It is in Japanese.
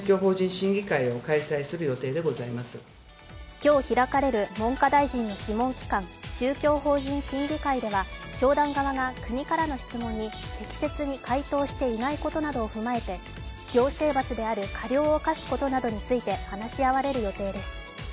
今日開かれる文科大臣の諮問機関宗教法人審議会では教団側が国からの質問に適切に回答していないことなどを踏まえて行政罰である過料を科すことなどについて話し合われる予定です。